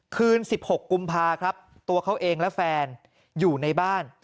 คืน๑๖กุมภาครับตัวเขาเองและแฟนอยู่ในบ้าน